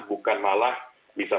bukan malah bisa bebas